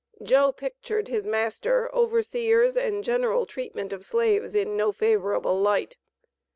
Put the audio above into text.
Joe pictured his master, overseers, and general treatment of slaves in no favorable light.